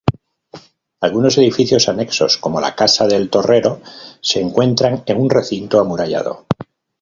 Algunos edificios anexos, como la casa del torrero, se encuentran en un recinto amurallado.